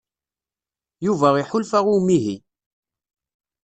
Yuba iḥulfa i umihi.